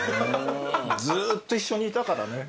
ずっと一緒にいたからね。